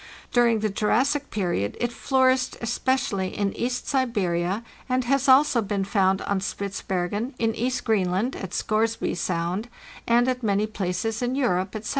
During the Jurassic period it flourished especially in East Siberia, and has also been found on Spitzbergen, in East Greenland (at Scoresby Sound), and at many places in Europe, etc.